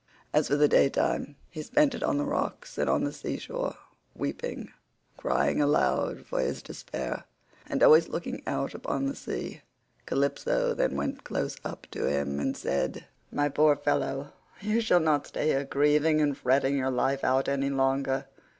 As for the day time, he spent it on the rocks and on the sea shore, weeping, crying aloud for his despair, and always looking out upon the sea. Calypso then went close up to him said: "My poor fellow, you shall not stay here grieving and fretting your life out any longer.